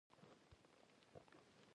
ننګرهار د افغان ماشومانو د زده کړې موضوع ده.